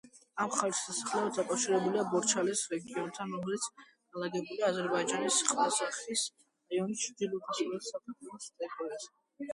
ამ ხალიჩის დასახელება დაკავშირებულია ბორჩალოს რეგიონთან, რომელიც განლაგებულია აზერბაიჯანის ყაზახის რაიონის ჩრდილო-დასავლეთით, საქართველოს ტერიტორიაზე.